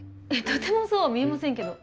とてもそうは見えませんけど。